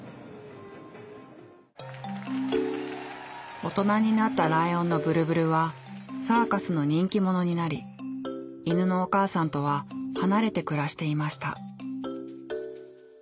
大人になったライオンのブルブルはサーカスの人気者になり犬のお母さんとは離れて暮らしていました。